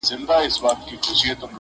ژوند د وېري سيوري للاندي دی-